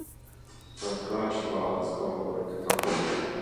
The crash was caught on camera.